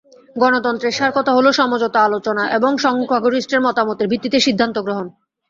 গণতন্ত্রের সার কথা হলো সমঝোতা, আলোচনা এবং সংখ্যাগরিষ্ঠের মতামতের ভিত্তিতে সিদ্ধান্ত গ্রহণ।